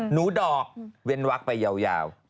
หนูดอกเว้นวักไปยาว